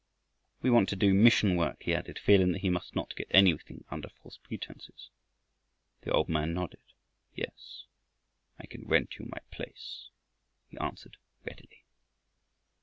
"We want to do mission work," he added, feeling that he must not get anything under false pretenses. The old man nodded. "Yes, I can rent you my place," he answered readily.